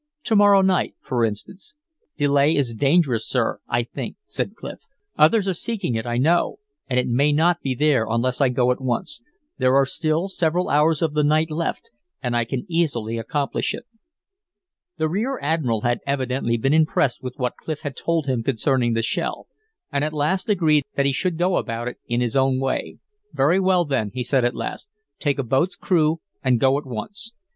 "To morrow night, for instance." "Delay is dangerous, sir, I think," said Clif. "Others are seeking it, I know, and it may not be there unless I go at once. There are still several hours of the night left, and I can easily accomplish it." The rear admiral had evidently been impressed with what Clif had told him concerning the shell, and at last agreed that he should go about it in his own way. "Very well, then," he said at last. "Take a boat's crew and go at once."